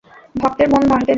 ভক্তের মন ভাঙ্গতে নেই।